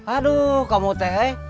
aduh kamu teh